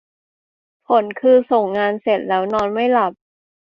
ผลคือส่งงานเสร็จแล้วนอนไม่หลับ !